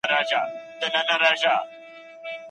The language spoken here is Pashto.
د بدن لپاره مېوې د خدای نعمت دی.